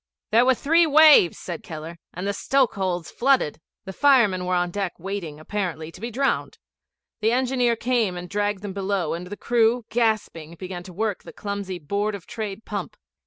'There were three waves,' said Keller; 'and the stokehold's flooded.' The firemen were on deck waiting, apparently, to be drowned. The engineer came and dragged them below, and the crew, gasping, began to work the clumsy Board of Trade pump.